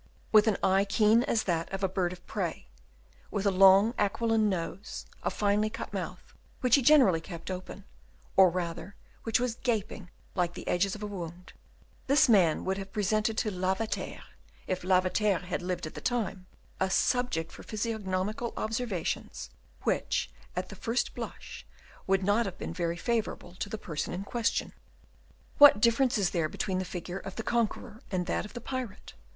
With an eye keen as that of a bird of prey, with a long aquiline nose, a finely cut mouth, which he generally kept open, or rather which was gaping like the edges of a wound, this man would have presented to Lavater, if Lavater had lived at that time, a subject for physiognomical observations which at the first blush would not have been very favourable to the person in question. "What difference is there between the figure of the conqueror and that of the pirate?"